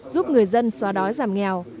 giúp người dân xóa đói giảm nghèo